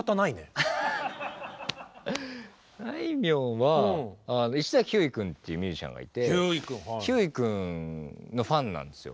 あいみょんは石崎ひゅーい君っていうミュージシャンがいてひゅーい君のファンなんですよ。